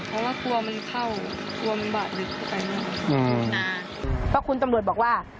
เพราะว่ากลัวมันเข้ากลัวมันบาดเจ็บอืมอ่าเพราะคุณตำรวจบอกว่า